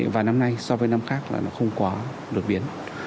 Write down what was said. và năm nay so với năm khác là nó không quá đột biến